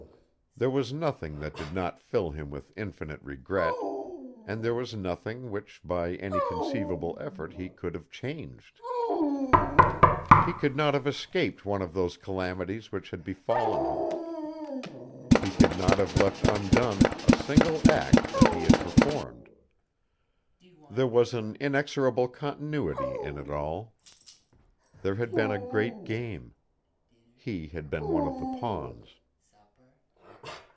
There was nothing that did not fill him with infinite regret and there was nothing which by any conceivable effort he could have changed. He could not have escaped one of those calamities which had befallen him. He could not have left undone a single act that he had performed. There was an inexorable continuity in it all. There had been a great game. He had been one of the pawns.